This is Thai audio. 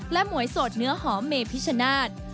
และหมวยสดเนื้อหอมเมพิชนาธ